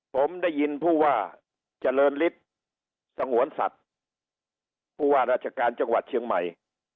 ผมได้ยินผู้ว่าเจริญฤทธิ์สงวนสัตว์ผู้ว่าราชการจังหวัดเชียงใหม่